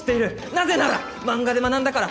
なぜなら漫画で学んだから！！